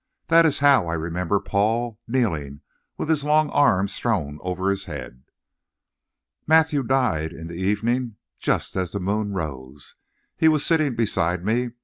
That is how I remember Paul, kneeling, with his long arms thrown over his head. "Matthew died in the evening just as the moon rose. He was sitting beside me.